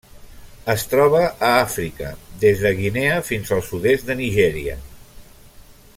Es troba a Àfrica: des de Guinea fins al sud-est de Nigèria.